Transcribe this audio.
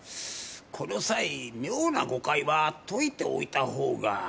この際妙な誤解は解いておいたほうが。